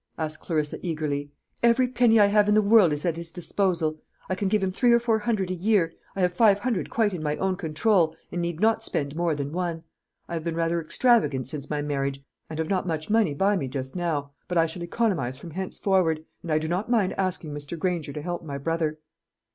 asked Clarissa eagerly. "Every penny I have in the world is at his disposal. I can give him three or four hundred a year. I have five hundred quite in my own control, and need not spend more than one. I have been rather extravagant since my marriage, and have not much money by me just now, but I shall economise from henceforward; and I do not mind asking Mr. Granger to help my brother."